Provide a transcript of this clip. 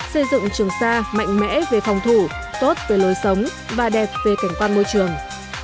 xây dựng trường sa mạnh mẽ về phòng thủ tốt về lối sống và đẹp về cảnh quan môi trường